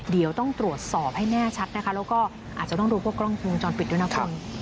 เดี๋ยวต้องตรวจสอบให้แน่ชัดนะคะแล้วก็อาจจะต้องดูพวกกล้องวงจรปิดด้วยนะคุณ